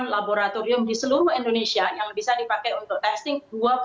tujuh puluh delapan laboratorium di seluruh indonesia yang bisa dipakai untuk testing